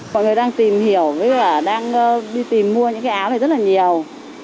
mọi người đang tìm hiểu với đang đi tìm mua những cái áo này rất là nhiều